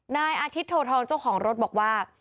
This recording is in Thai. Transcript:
นายอาทิตย์โททองเจ้าของรถบอกว่า